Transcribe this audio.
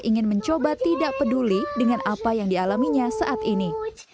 ingin mencoba tidak peduli dengan apa yang dialaminya saat ini